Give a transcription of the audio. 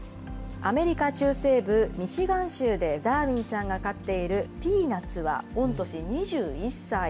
アメリカ中西部ミシガン州でダーウィンさんが飼っているピーナツは御年２１歳。